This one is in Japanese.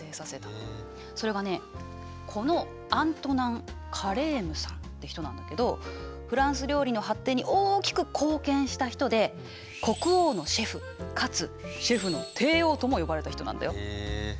それがこのアントナン・カレームさんって人なんだけどフランス料理の発展に大きく貢献した人で国王のシェフかつシェフの帝王とも呼ばれた人なんだよ。へえ。